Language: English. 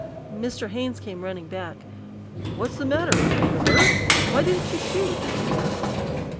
Mr. Haynes came running back. "What is the matter? Are you hurt? Why didn't you shoot?" he asked.